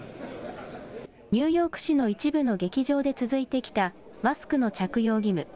ニューヨーク市の一部の劇場で続いてきたマスクの着用義務。